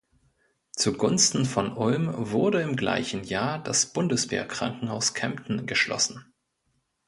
Zugunsten von Ulm wurde im gleichen Jahr das Bundeswehrkrankenhaus Kempten geschlossen.